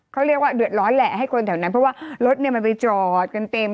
เขาเรียกว่าเดือดร้อนแหละให้คนแถวนั้นเพราะว่ารถมันไปจอดกันเต็ม